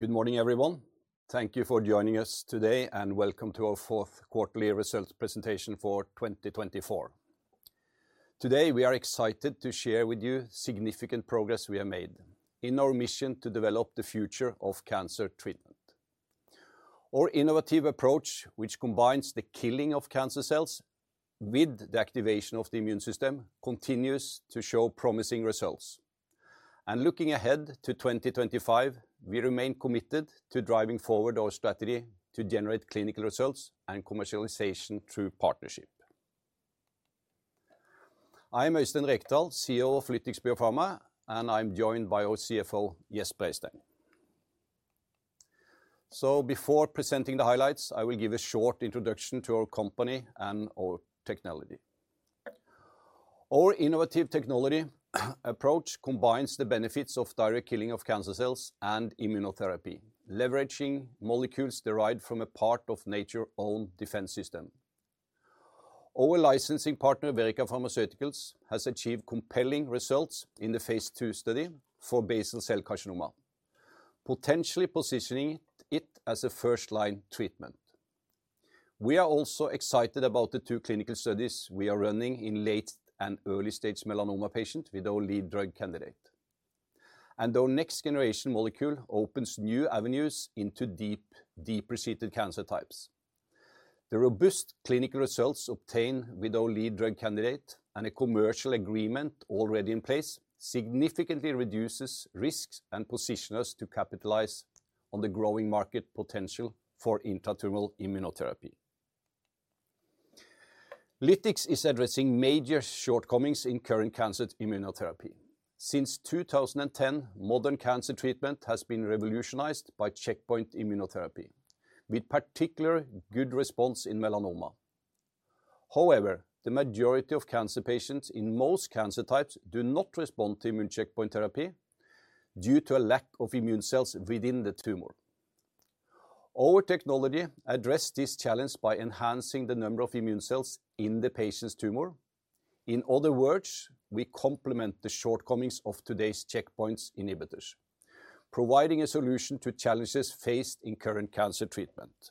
Good morning, everyone. Thank you for joining us today, and welcome to our Fourth Quarterly Results Presentation for 2024. Today, we are excited to share with you significant progress we have made in our mission to develop the future of cancer treatment. Our innovative approach, which combines the killing of cancer cells with the activation of the immune system, continues to show promising results. Looking ahead to 2025, we remain committed to driving forward our strategy to generate clinical results and commercialization through partnership. I am Øystein Rekdal, CEO of Lytix Biopharma, and I'm joined by our CFO, Gjest Breistein. Before presenting the highlights, I will give a short introduction to our company and our technology. Our innovative technology approach combines the benefits of direct killing of cancer cells and immunotherapy, leveraging molecules derived from a part of nature's own defense system. Our licensing partner, Verrica Pharmaceuticals, has achieved compelling results in the phase II study for basal-cell carcinoma, potentially positioning it as a first-line treatment. We are also excited about the two clinical studies we are running in late and early-stage melanoma patients with our lead drug candidate. Our next-generation molecule opens new avenues into deep, deep-seated cancer types. The robust clinical results obtained with our lead drug candidate and a commercial agreement already in place significantly reduce risks and position us to capitalize on the growing market potential for intradermal immunotherapy. Lytix is addressing major shortcomings in current cancer immunotherapy. Since 2010, modern cancer treatment has been revolutionized by checkpoint immunotherapy, with particularly good response in melanoma. However, the majority of cancer patients in most cancer types do not respond to immune checkpoint therapy due to a lack of immune cells within the tumor. Our technology addresses this challenge by enhancing the number of immune cells in the patient's tumor. In other words, we complement the shortcomings of today's checkpoint inhibitors, providing a solution to challenges faced in current cancer treatment.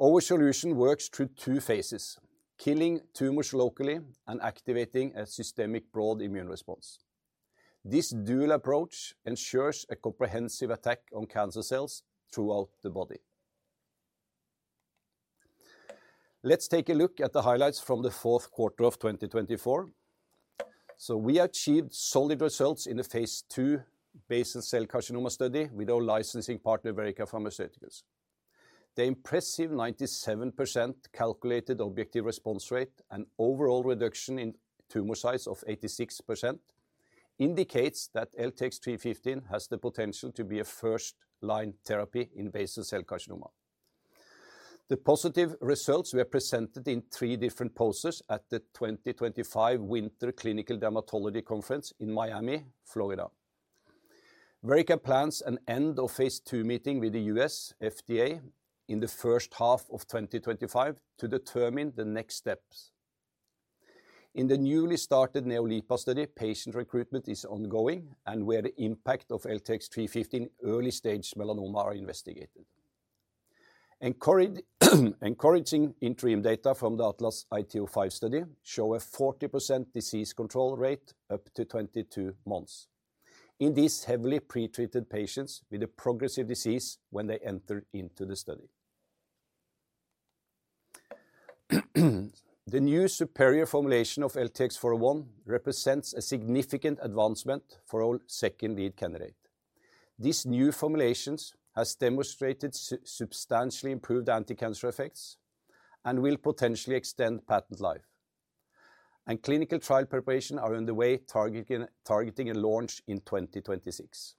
Our solution works through two phases: killing tumors locally and activating a systemic broad immune response. This dual approach ensures a comprehensive attack on cancer cells throughout the body. Let's take a look at the highlights from the fourth quarter of 2024. We achieved solid results in the phase II basal-cell carcinoma study with our licensing partner, Verrica Pharmaceuticals. The impressive 97% calculated objective response rate and overall reduction in tumor size of 86% indicates that LTX-315 has the potential to be a first-line therapy in basal-cell carcinoma. The positive results were presented in three different posters at the 2025 Winter Clinical Dermatology Conference in Miami, Florida. Verrica plans an end-of-phase II meeting with the US FDA in the first half of 2025 to determine the next steps. In the newly started NeoLIPA study, patient recruitment is ongoing, and where the impact of LTX-315 early-stage melanoma is investigated. Encouraging interim data from the ATLAS ITO5 study show a 40% disease control rate up to 22 months in these heavily pretreated patients with a progressive disease when they enter into the study. The new superior formulation of LTX-401 represents a significant advancement for our second lead candidate. These new formulations have demonstrated substantially improved anti-cancer effects and will potentially extend patent life. Clinical trial preparations are underway, targeting a launch in 2026.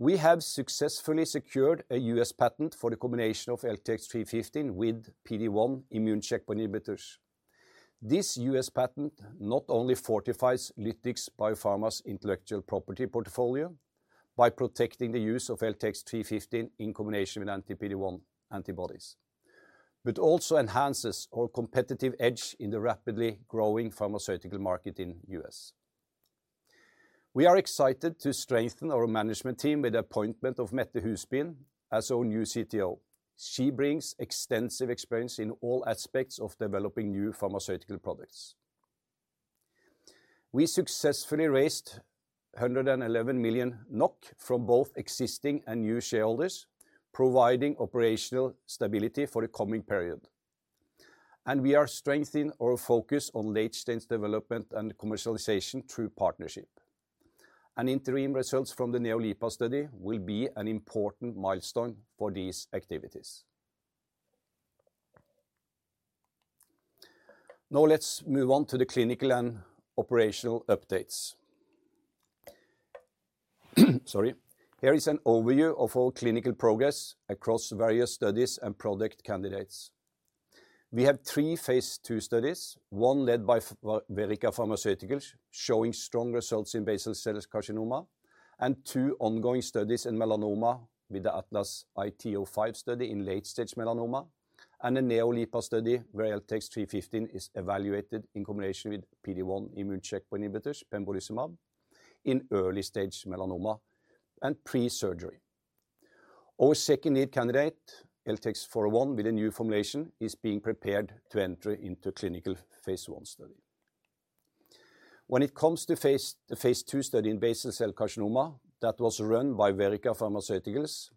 We have successfully secured a US patent for the combination of LTX-315 with PD-1 immune checkpoint inhibitors. This US patent not only fortifies Lytix Biopharma's intellectual property portfolio by protecting the use of LTX-315 in combination with anti-PD-1 antibodies, but also enhances our competitive edge in the rapidly growing pharmaceutical market in the US. We are excited to strengthen our management team with the appointment of Mette Husom as our new CTO. She brings extensive experience in all aspects of developing new pharmaceutical products. We successfully raised 111 million NOK from both existing and new shareholders, providing operational stability for the coming period. We are strengthening our focus on late-stage development and commercialization through partnership. Interim results from the NeoLIPA study will be an important milestone for these activities. Now, let's move on to the clinical and operational updates. Sorry. Here is an overview of our clinical progress across various studies and product candidates. We have three phase II studies, one led by Verrica Pharmaceuticals showing strong results in basal-cell carcinoma, and two ongoing studies in melanoma with the ATLAS ITO5 study in late-stage melanoma, and a NeoLIPA study where LTX-315 is evaluated in combination with PD-1 immune checkpoint inhibitors, pembrolizumab, in early-stage melanoma and pre-surgery. Our second lead candidate, LTX-401 with a new formulation, is being prepared to enter into clinical phase I study. When it comes to phase II study in basal-cell carcinoma that was run by Verrica Pharmaceuticals,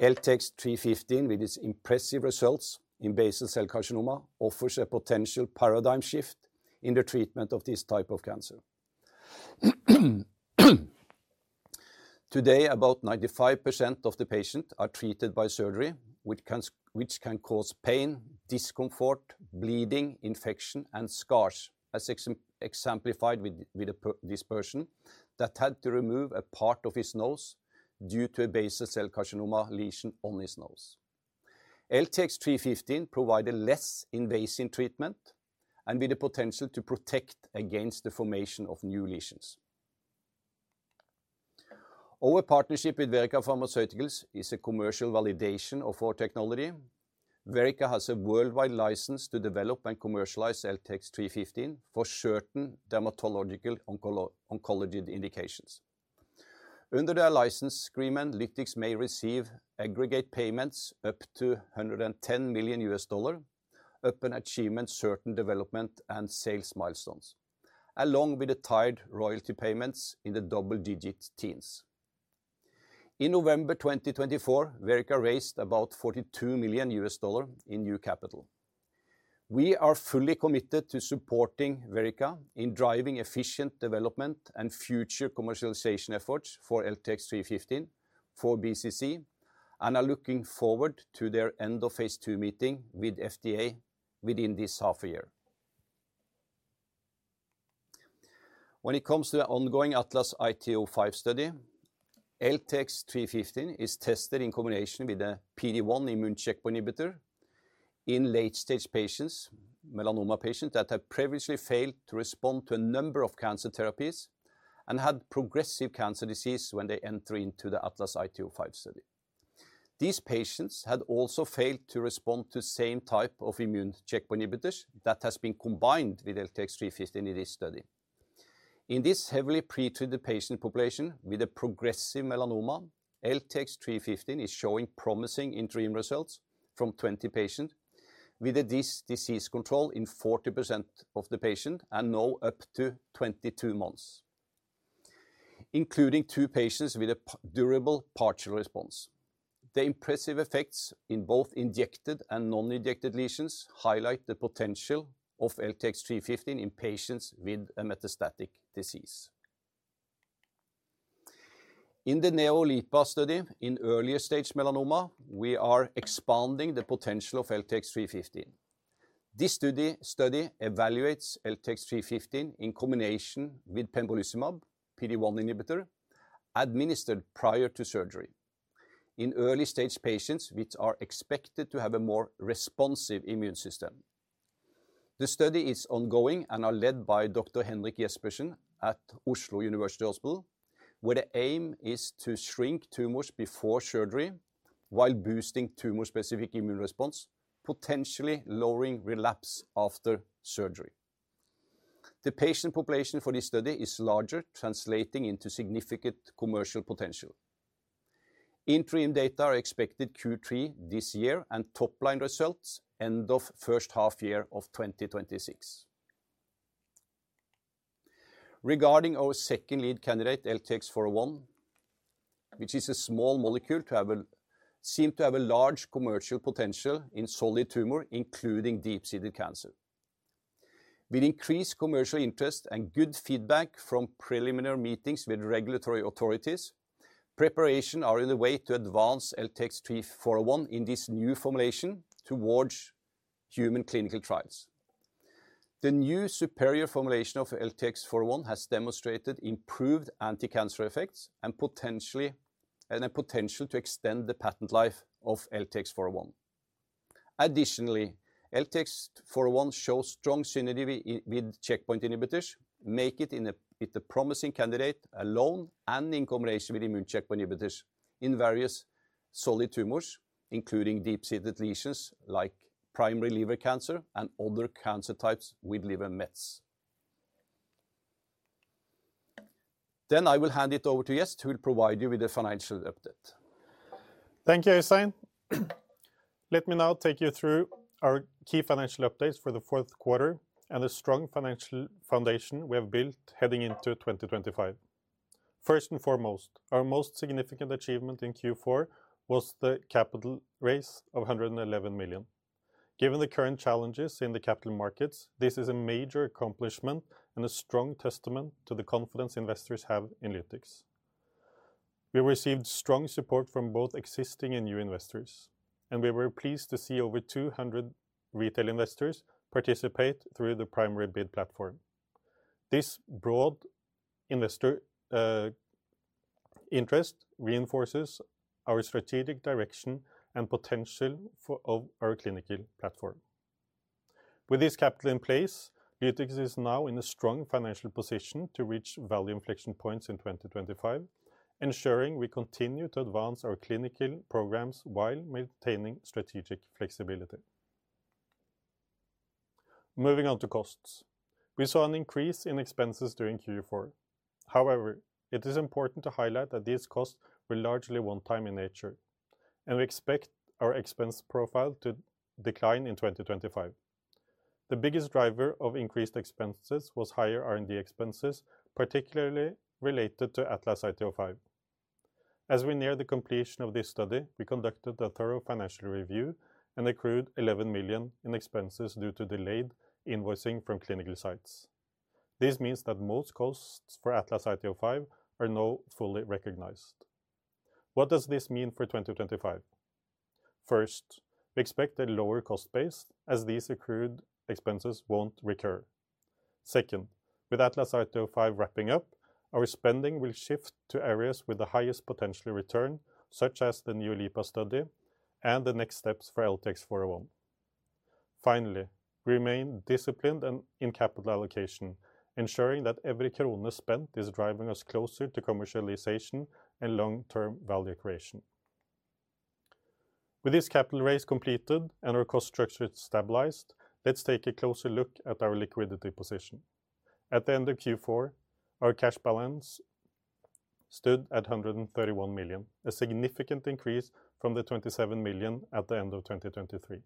LTX-315 with its impressive results in basal-cell carcinoma offers a potential paradigm shift in the treatment of this type of cancer. Today, about 95% of the patients are treated by surgery, which can cause pain, discomfort, bleeding, infection, and scars, as exemplified with a person that had to remove a part of his nose due to a basal-cell carcinoma lesion on his nose. LTX-315 provided less invasive treatment and with the potential to protect against the formation of new lesions. Our partnership with Verrica Pharmaceuticals is a commercial validation of our technology. Verrica has a worldwide license to develop and commercialize LTX-315 for certain dermatological oncology indications. Under their license agreement, Lytix may receive aggregate payments up to $110 million upon achieving certain development and sales milestones, along with the tied royalty payments in the double-digit teens. In November 2024, Verrica raised about $42 million in new capital. We are fully committed to supporting Verrica in driving efficient development and future commercialization efforts for LTX-315 for BCC and are looking forward to their end-of-phase II meeting with FDA within this half a year. When it comes to the ongoing ATLAS ITO5 study, LTX-315 is tested in combination with a PD-1 immune checkpoint inhibitor in late-stage patients, melanoma patients that have previously failed to respond to a number of cancer therapies and had progressive cancer disease when they enter into the ATLAS ITO5 study. These patients had also failed to respond to the same type of immune checkpoint inhibitors that has been combined with LTX-315 in this study. In this heavily pretreated patient population with a progressive melanoma, LTX-315 is showing promising interim results from 20 patients with a disease control in 40% of the patients and now up to 22 months, including two patients with a durable partial response. The impressive effects in both injected and non-injected lesions highlight the potential of LTX-315 in patients with a metastatic disease. In the NeoLIPA study in early-stage melanoma, we are expanding the potential of LTX-315. This study evaluates LTX-315 in combination with pembrolizumab, PD-1 inhibitor, administered prior to surgery in early-stage patients which are expected to have a more responsive immune system. The study is ongoing and is led by Dr. Henrik Jespersen at Oslo University Hospital, where the aim is to shrink tumors before surgery while boosting tumor-specific immune response, potentially lowering relapse after surgery. The patient population for this study is larger, translating into significant commercial potential. Interim data are expected Q3 this year and top-line results end of first half year of 2026. Regarding our second lead candidate, LTX-401, which is a small molecule that seems to have a large commercial potential in solid tumor, including deep-seated cancer. With increased commercial interest and good feedback from preliminary meetings with regulatory authorities, preparations are underway to advance LTX-401 in this new formulation towards human clinical trials. The new superior formulation of LTX-401 has demonstrated improved anti-cancer effects and a potential to extend the patent life of LTX-401. Additionally, LTX-401 shows strong synergy with checkpoint inhibitors, making it a promising candidate alone and in combination with immune checkpoint inhibitors in various solid tumors, including deep-seated lesions like primary liver cancer and other cancer types with liver metastasis. I will hand it over to Gjest, who will provide you with a financial update. Thank you, Øystein. Let me now take you through our key financial updates for the fourth quarter and the strong financial foundation we have built heading into 2025. First and foremost, our most significant achievement in Q4 was the capital raise of 111 million. Given the current challenges in the capital markets, this is a major accomplishment and a strong testament to the confidence investors have in Lytix. We received strong support from both existing and new investors, and we were pleased to see over 200 retail investors participate through the PrimaryBid platform. This broad investor interest reinforces our strategic direction and potential of our clinical platform. With this capital in place, Lytix is now in a strong financial position to reach value inflection points in 2025, ensuring we continue to advance our clinical programs while maintaining strategic flexibility. Moving on to costs. We saw an increase in expenses during Q4. However, it is important to highlight that these costs were largely one-time in nature, and we expect our expense profile to decline in 2025. The biggest driver of increased expenses was higher R&D expenses, particularly related to ATLAS ITO5. As we near the completion of this study, we conducted a thorough financial review and accrued 11 million in expenses due to delayed invoicing from clinical sites. This means that most costs for ATLAS ITO5 are now fully recognized. What does this mean for 2025? First, we expect a lower cost base, as these accrued expenses will not recur. Second, with ATLAS ITO5 wrapping up, our spending will shift to areas with the highest potential return, such as the NeoLIPA study and the next steps for LTX-401. Finally, we remain disciplined in capital allocation, ensuring that every krone spent is driving us closer to commercialization and long-term value creation. With this capital raise completed and our cost structure stabilized, let's take a closer look at our liquidity position. At the end of Q4, our cash balance stood at 131 million, a significant increase from 27 million at the end of 2023.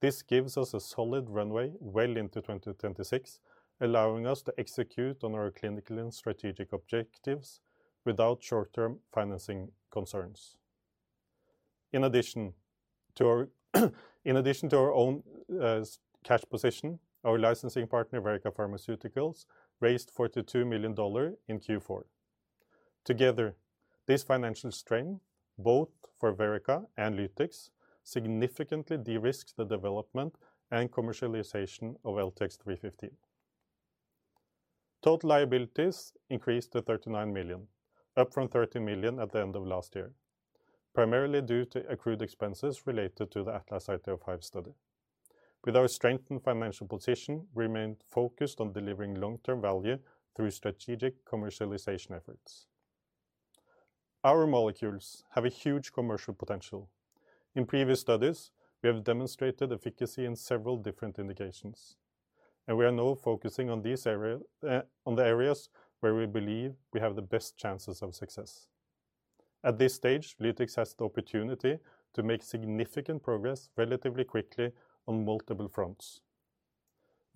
This gives us a solid runway well into 2026, allowing us to execute on our clinical and strategic objectives without short-term financing concerns. In addition to our own cash position, our licensing partner, Verrica Pharmaceuticals, raised $42 million in Q4. Together, this financial strain, both for Verrica and Lytix, significantly de-risked the development and commercialization of LTX-315. Total liabilities increased to 39 million, up from 30 million at the end of last year, primarily due to accrued expenses related to the ATLAS ITO5 study. With our strengthened financial position, we remained focused on delivering long-term value through strategic commercialization efforts. Our molecules have a huge commercial potential. In previous studies, we have demonstrated efficacy in several different indications, and we are now focusing on the areas where we believe we have the best chances of success. At this stage, Lytix has the opportunity to make significant progress relatively quickly on multiple fronts.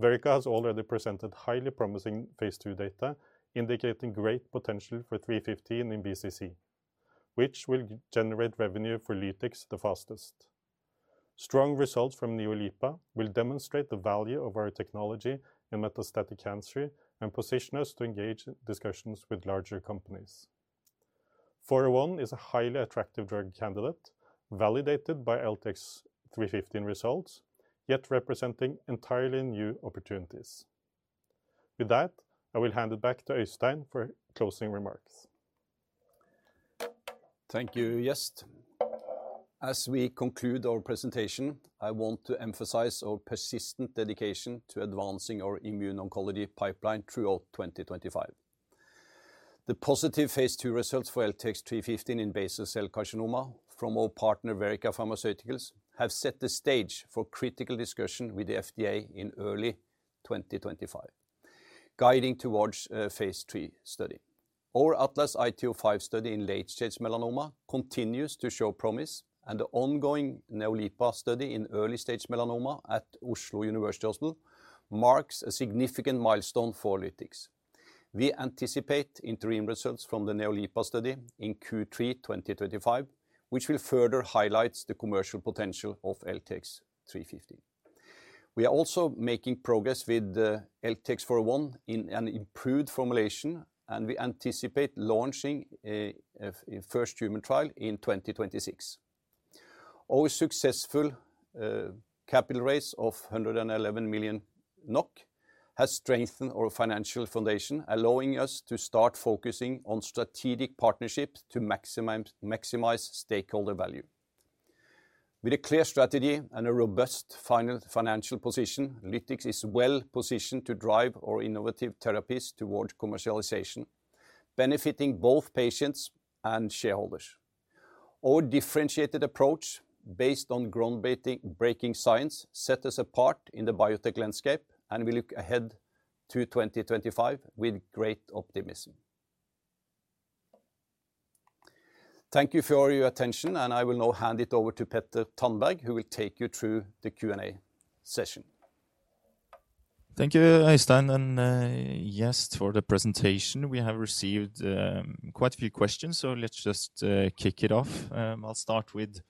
Verrica has already presented highly promising phase II data, indicating great potential for 315 in BCC, which will generate revenue for Lytix the fastest. Strong results from NeoLIPA will demonstrate the value of our technology in metastatic cancer and position us to engage in discussions with larger companies. 401 is a highly attractive drug candidate, validated by LTX-315 results, yet representing entirely new opportunities. With that, I will hand it back to Øystein for closing remarks. Thank you, Gjest. As we conclude our presentation, I want to emphasize our persistent dedication to advancing our immuno-oncology pipeline throughout 2025. The positive phase II results for LTX-315 in basal-cell carcinoma from our partner, Verrica Pharmaceuticals, have set the stage for critical discussion with the FDA in early 2025, guiding towards a phase III study. Our ATLAS ITO5 study in late-stage melanoma continues to show promise, and the ongoing NeoLIPA study in early-stage melanoma at Oslo University Hospital marks a significant milestone for Lytix. We anticipate interim results from the NeoLIPA study in Q3 2025, which will further highlight the commercial potential of LTX-315. We are also making progress with LTX-401 in an improved formulation, and we anticipate launching a first human trial in 2026. Our successful capital raise of 111 million NOK has strengthened our financial foundation, allowing us to start focusing on strategic partnerships to maximize stakeholder value. With a clear strategy and a robust financial position, Lytix is well positioned to drive our innovative therapies towards commercialization, benefiting both patients and shareholders. Our differentiated approach based on groundbreaking science sets us apart in the biotech landscape, and we look ahead to 2025 with great optimism. Thank you for your attention, and I will now hand it over to Petter Tandberg, who will take you through the Q&A session. Thank you, Øystein, and Gjest for the presentation. We have received quite a few questions, so let's just kick it off. I'll start with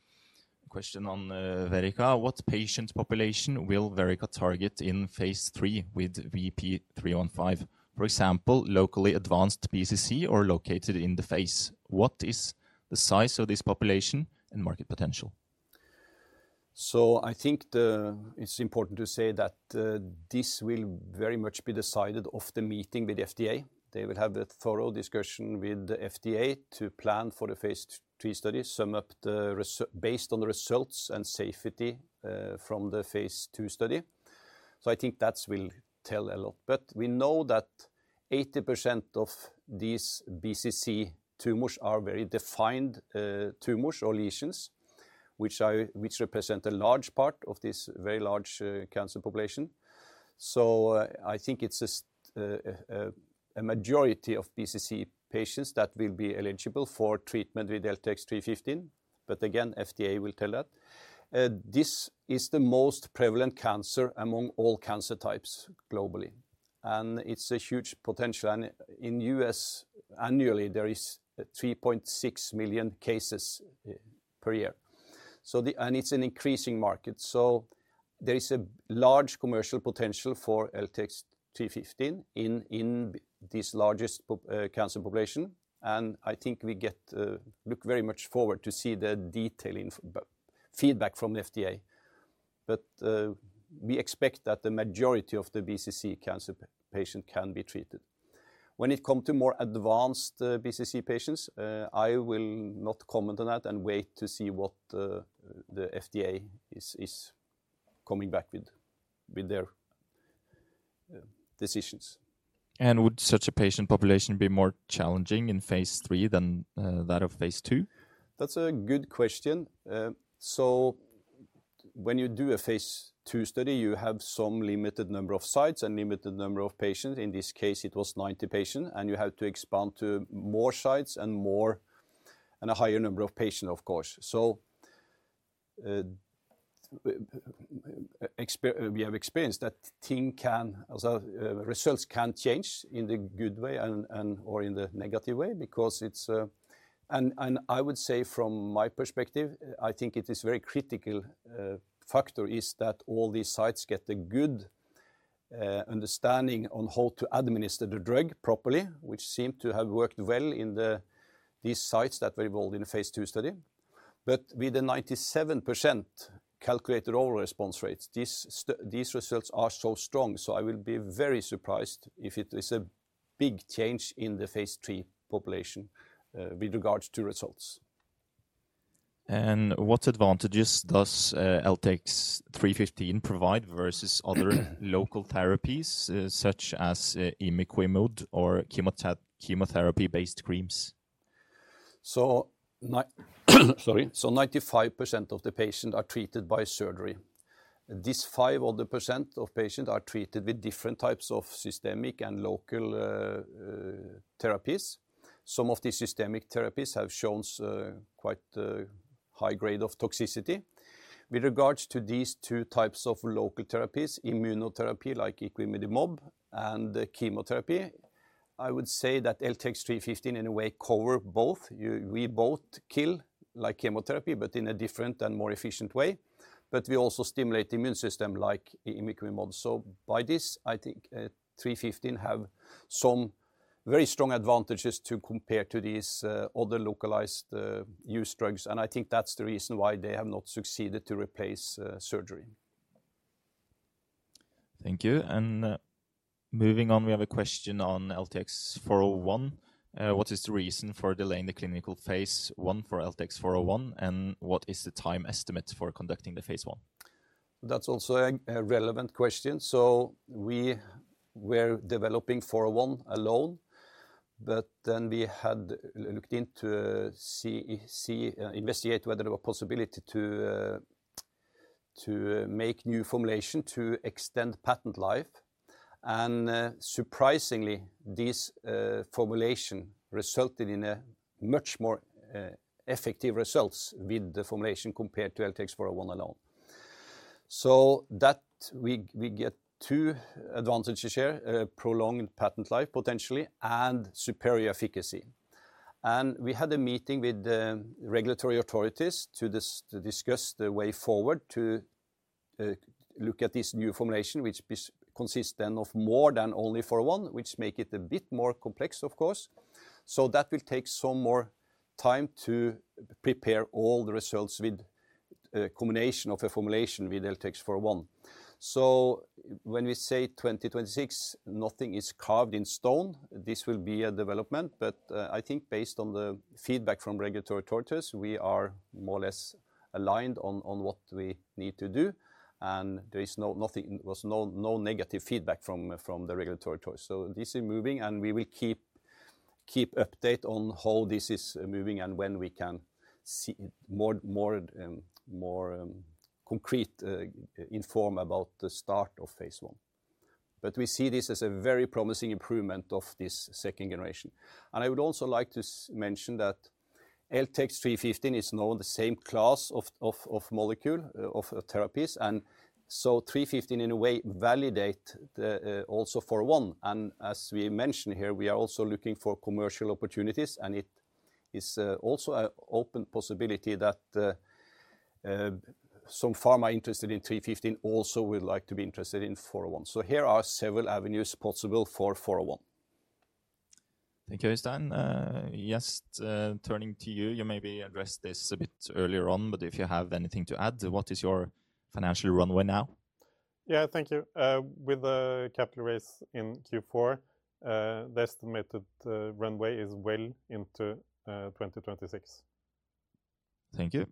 a question on Verrica. What patient population will Verrica target in phase III with VP-315? For example, locally advanced BCC or located in the phase. What is the size of this population and market potential? I think it's important to say that this will very much be decided after meeting with the FDA. They will have a thorough discussion with the FDA to plan for the phase III study, based on the results and safety from the phase II study. I think that will tell a lot. We know that 80% of these BCC tumors are very defined tumors or lesions, which represent a large part of this very large cancer population. I think it's a majority of BCC patients that will be eligible for treatment with LTX-315. Again, the FDA will tell that. This is the most prevalent cancer among all cancer types globally, and it's a huge potential. In the U.S., annually, there are 3.6 million cases per year, and it's an increasing market. There is a large commercial potential for LTX-315 in this largest cancer population, and I think we look very much forward to seeing the detailed feedback from the FDA. We expect that the majority of the BCC cancer patients can be treated. When it comes to more advanced BCC patients, I will not comment on that and wait to see what the FDA is coming back with their decisions. Would such a patient population be more challenging in phase III than that of phase II? That's a good question. When you do a phase II study, you have some limited number of sites and a limited number of patients. In this case, it was 90 patients, and you have to expand to more sites and a higher number of patients, of course. We have experienced that results can change in the good way or in the negative way because it's—and I would say from my perspective, I think it is a very critical factor that all these sites get a good understanding on how to administer the drug properly, which seemed to have worked well in these sites that were involved in the phase II study. With the 97% calculated overall response rate, these results are so strong, so I will be very surprised if it is a big change in the phase III population with regards to results. What advantages does LTX-315 provide versus other local therapies, such as imiquimod or chemotherapy-based creams? Ninety-five percent of the patients are treated by surgery. These 5% of patients are treated with different types of systemic and local therapies. Some of these systemic therapies have shown quite a high grade of toxicity. With regards to these two types of local therapies, immunotherapy like imiquimod and chemotherapy, I would say that LTX-315, in a way, covers both. We both kill like chemotherapy, but in a different and more efficient way. We also stimulate the immune system like imiquimod. By this, I think 315 has some very strong advantages compared to these other localized use drugs. I think that's the reason why they have not succeeded to replace surgery. Thank you. Moving on, we have a question on LTX-401. What is the reason for delaying the clinical phase I for LTX-401, and what is the time estimate for conducting the phase I? That's also a relevant question. We were developing 401 alone, but then we had looked into investigating whether there was a possibility to make a new formulation to extend patent life. Surprisingly, this formulation resulted in much more effective results with the formulation compared to LTX-401 alone. We get two advantages here: prolonged patent life potentially and superior efficacy. We had a meeting with the regulatory authorities to discuss the way forward to look at this new formulation, which consists then of more than only 401, which makes it a bit more complex, of course. That will take some more time to prepare all the results with a combination of a formulation with LTX-401. When we say 2026, nothing is carved in stone. This will be a development. I think based on the feedback from regulatory authorities, we are more or less aligned on what we need to do. There was no negative feedback from the regulatory authorities. This is moving, and we will keep updates on how this is moving and when we can see more concrete information about the start of phase I. We see this as a very promising improvement of this second generation. I would also like to mention that LTX-315 is now in the same class of molecule of therapies. 315, in a way, validates also 401. As we mentioned here, we are also looking for commercial opportunities, and it is also an open possibility that some pharma interested in 315 also would like to be interested in 401. Here are several avenues possible for 401. Thank you, Øystein. Gjest, turning to you, you maybe addressed this a bit earlier on, but if you have anything to add, what is your financial runway now? Yeah, thank you. With the capital raise in Q4, the estimated runway is well into 2026. Thank you.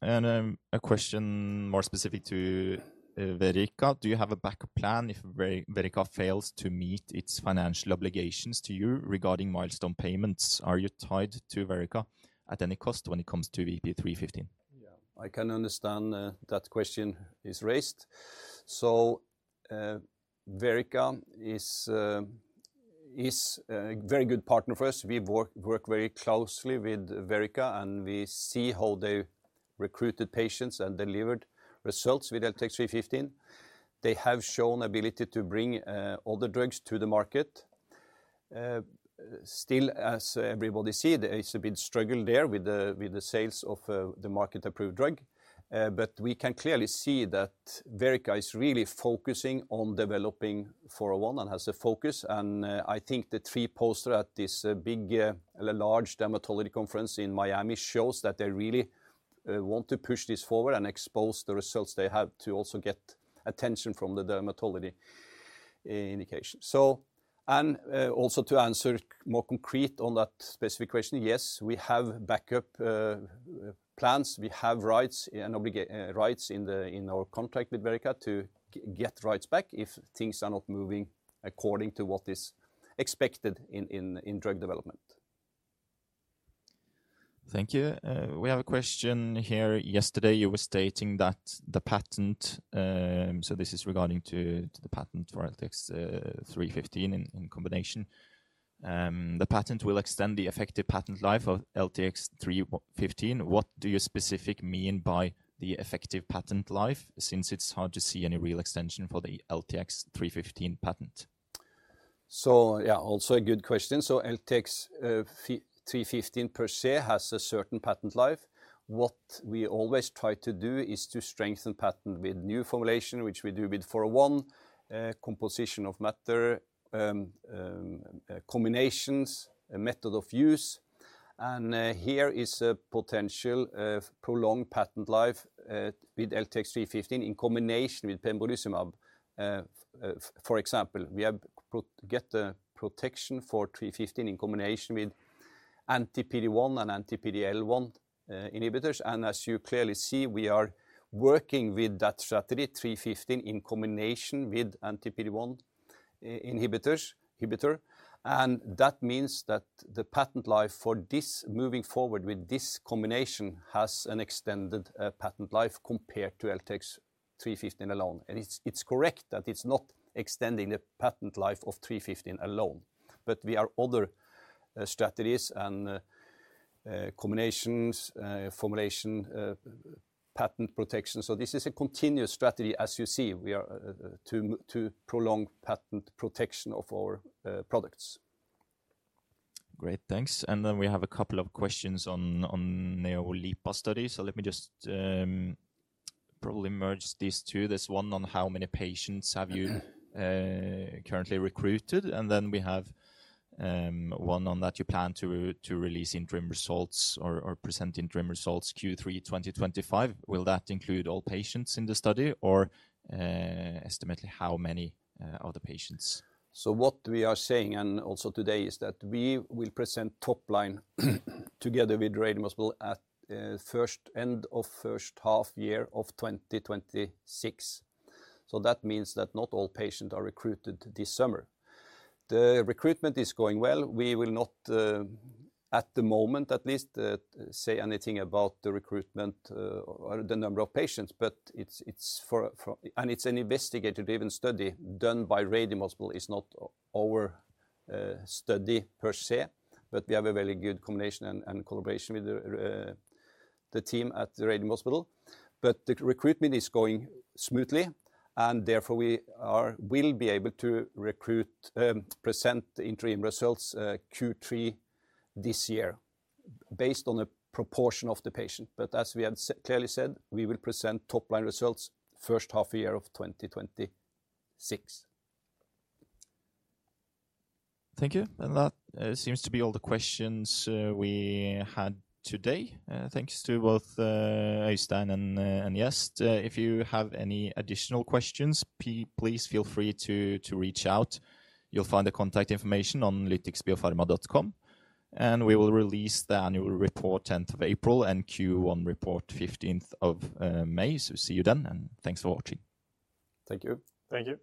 A question more specific to Verrica. Do you have a backup plan if Verrica fails to meet its financial obligations to you regarding milestone payments? Are you tied to Verrica at any cost when it comes to VP-315? Yeah, I can understand that question is raised. Verrica is a very good partner for us. We work very closely with Verrica, and we see how they recruited patients and delivered results with LTX-315. They have shown the ability to bring other drugs to the market. Still, as everybody sees, there is a big struggle there with the sales of the market-approved drug. We can clearly see that Verrica is really focusing on developing 401 and has a focus. I think the three posters at this big large dermatology conference in Miami show that they really want to push this forward and expose the results they have to also get attention from the dermatology indication. To answer more concrete on that specific question, yes, we have backup plans. We have rights in our contract with Verrica to get rights back if things are not moving according to what is expected in drug development. Thank you. We have a question here. Yesterday, you were stating that the patent—so this is regarding the patent for LTX-315 in combination—the patent will extend the effective patent life of LTX-315. What do you specifically mean by the effective patent life since it's hard to see any real extension for the LTX-315 patent? Yeah, also a good question. LTX-315 per se has a certain patent life. What we always try to do is to strengthen patent with new formulation, which we do with 401, composition of matter, combinations, method of use. Here is a potential prolonged patent life with LTX-315 in combination with pembrolizumab. For example, we get a protection for 315 in combination with anti-PD-1 and anti-PD-L1 inhibitors. As you clearly see, we are working with that strategy, 315 in combination with anti-PD-1 inhibitor. That means that the patent life for this moving forward with this combination has an extended patent life compared to LTX-315 alone. It is correct that it is not extending the patent life of 315 alone, but there are other strategies and combinations, formulation, patent protection. This is a continuous strategy, as you see, to prolong patent protection of our products. Great, thanks. We have a couple of questions on NeoLIPA study. Let me just probably merge these two. There is one on how many patients have you currently recruited. We have one on that you plan to release interim results or present interim results Q3 2025. Will that include all patients in the study or estimate how many of the patients? What we are saying and also today is that we will present top line together with Radiumhospitalet at the end of the first half year of 2026. That means that not all patients are recruited this summer. The recruitment is going well. We will not, at the moment at least, say anything about the recruitment or the number of patients. It is an investigator-driven study done by Radiumhospitalet. It is not our study per se, but we have a very good combination and collaboration with the team at Oslo University Hospital. The recruitment is going smoothly, and therefore we will be able to present interim results Q3 this year based on a proportion of the patients. As we have clearly said, we will present top line results first half year of 2026. Thank you. That seems to be all the questions we had today. Thanks to both Øystein and Gjest. If you have any additional questions, please feel free to reach out. You will find the contact information on lytixbiopharma.com. We will release the annual report 10th of April and Q1 report 15th of May. See you then, and thanks for watching. Thank you. Thank you.